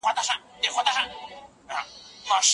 غاړې تر غاړې د سیند د ډکوالي حالت ښیي.